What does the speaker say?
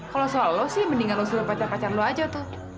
kalau soal lo sih mendingan lo suruh pacar pacar lo aja tuh